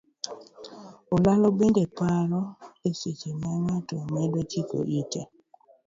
Olalo bende paro e seche ma ng'ato medo chiko ite.